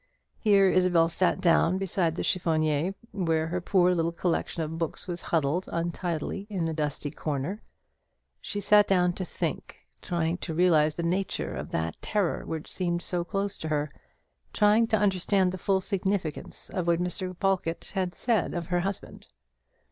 Here Isabel sat down beside the chiffonier, where her poor little collection of books was huddled untidily in a dusty corner. She sat down to think trying to realize the nature of that terror which seemed so close to her, trying to understand the full significance of what Mr. Pawlkatt had said of her husband.